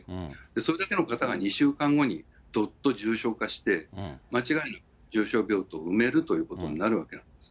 それだけの方が２週間後にどっと重症化して、間違いなく重症病棟を埋めるということになるわけなんです。